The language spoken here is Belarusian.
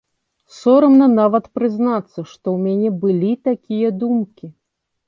Сорамна нават прызнацца, што ў мяне былі такія думкі.